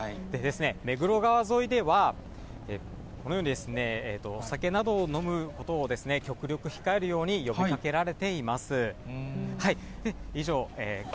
目黒川沿いではこのように、お酒などを飲むことを極力控えるように呼びかけられています。